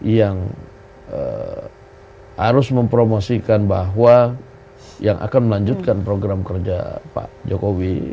yang harus mempromosikan bahwa yang akan melanjutkan program kerja pak jokowi